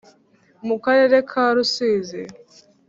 Mu karere ka rusizi